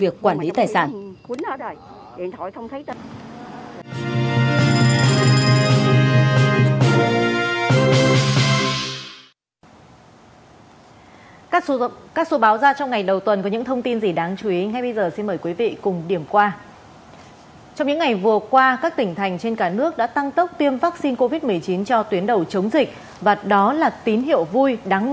các đối tượng liên quan đến tài sản cũng bị tạm giữ ngay sau đó